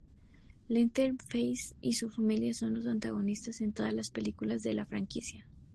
Leatherface y su familia son los antagonistas en todas las películas de la franquicia.